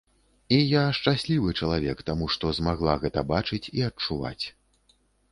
І я шчаслівы чалавек, таму што змагла гэта бачыць і адчуваць.